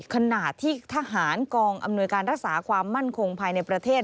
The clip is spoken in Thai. ขณะที่ทหารกองอำนวยการรักษาความมั่นคงภายในประเทศ